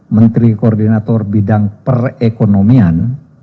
menteri koordinator bidang perekonomian